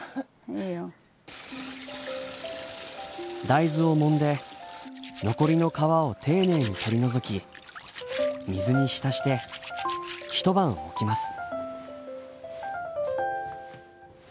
大豆をもんで残りの皮を丁寧に取り除き水に浸して一晩置きます。